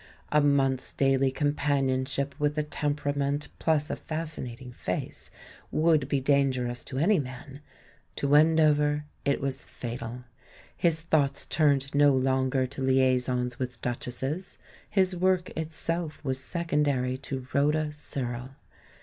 A month's daily companionhsip with a tempera ment, plus a fascinating face, would be danger ous to any man — to Wendover it was fatal. His thoughts turned no longer to liaisons with duch esses; his work, itself, was secondary to Rhoda Searle.